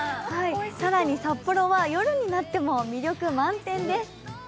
更に札幌は夜になっても魅力満点です。